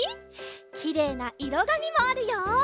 きれいないろがみもあるよ。